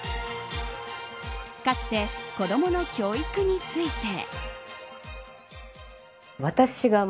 かつて、子供の教育について。